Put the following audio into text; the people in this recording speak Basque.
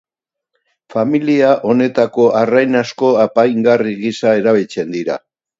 Familia honetako arrain asko apaingarri gisa erabiltzen dira.